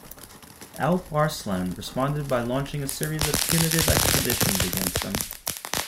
Alp Arslan responded by launching a series of punitive expeditions against them.